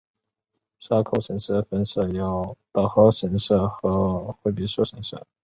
沙河口神社的分社有稻荷神社和惠比寿神社。